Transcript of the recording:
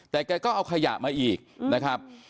แต่แกก็เอาขยะมาอีกนะครับ